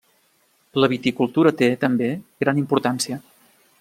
La viticultura té, també, gran importància.